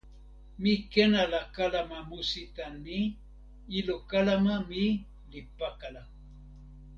mi ken ala kalama musi tan ni: ilo kalama mi li pakala.